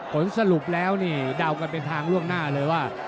ผลสรุปแล้วนี่เดากันเป็นทางล่วงหน้าเลยว่า